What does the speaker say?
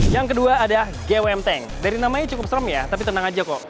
yang kedua ada gwm tank dari namanya cukup strom ya tapi tenang aja kok